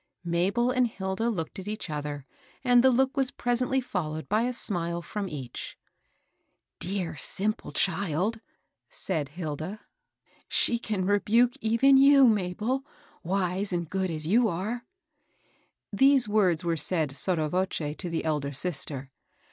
Mabel and Hilda looked at each other, and the look was presently followed by a smile from each. " Dear, simple child !" said Hilda, " she can re buke even you^ Mabel, wise and good as you are." These words were said boUo voce to the elder sister.